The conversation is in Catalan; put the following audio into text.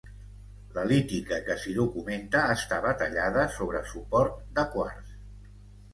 La lítica que s'hi documenta estava tallada sobre suport de quars.